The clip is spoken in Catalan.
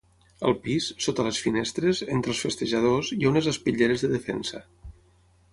Al pis, sota les finestres, entre els festejadors, hi ha unes espitlleres de defensa.